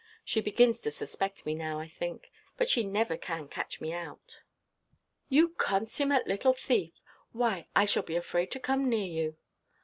She begins to suspect me now, I think; but she never can catch me out." "You consummate little thief! why, I shall be afraid to come near you."